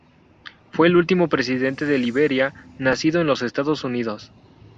Fue el último presidente de Liberia nacido en los Estados Unidos.